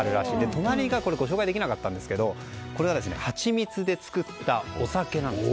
隣はご紹介できなかったんですがハチミツで作ったお酒なんです。